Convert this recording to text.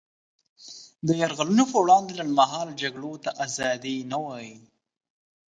د یرغلونو پر وړاندې لنډمهاله جګړو ته ازادي نه وايي.